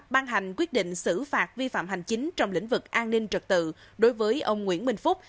ban hành quyết định xử phạt vi phạm hành chính trong lĩnh vực an ninh trật tự đối với ông nguyễn minh phúc